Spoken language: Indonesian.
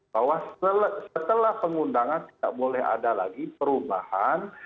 bahwa setelah pengundangan tidak boleh ada lagi perubahan